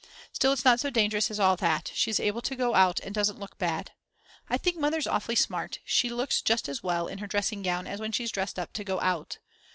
Still, it's not so dangerous as all that; she is able to go out and doesn't look bad. I think Mother's awfully smart, she looks just as well in her dressing gown as when she's dressed up to go out.